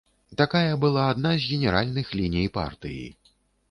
Такая была адна з генеральных ліній партыі.